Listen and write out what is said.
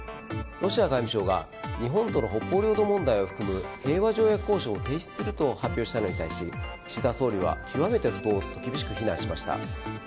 ロシア外務省が日本との北方領土問題を含む平和条約交渉を停止すると発表したのに対し岸田総理は極めて不当と厳しく非難しました。